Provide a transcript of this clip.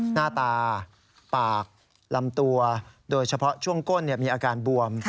หน้าตาปากลำตัวโดยเฉพาะช่วงก้นมีอาการบวม